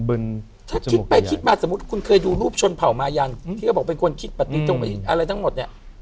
ถ้าคิดไปคิดมาสมมุติคุณเคยดูรูปชนเผ่ามายันที่เขาบอกเป็นคนคิดปฏิจงอะไรทั้งหมดเนี่ย